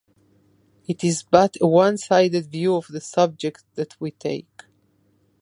It is but a one-sided view of the subject that we take.